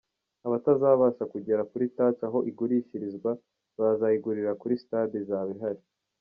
Abatazabasha kugera kuri Touch aho igurishirizwa, bazayigurira kuri stade izaba ihari”.